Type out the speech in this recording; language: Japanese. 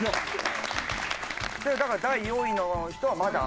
だから第４位の人はまだ。